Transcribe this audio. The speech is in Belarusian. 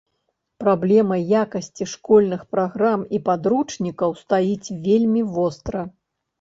Праблема якасці школьных праграм і падручнікаў стаіць вельмі востра.